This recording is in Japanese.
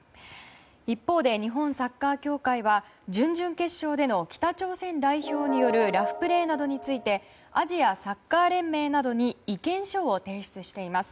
一方で日本サッカー協会は準々決勝での北朝鮮代表によるラフプレーなどについてアジアサッカー連盟などに意見書を提出しています。